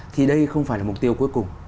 thì đây không phải là mục tiêu cuối cùng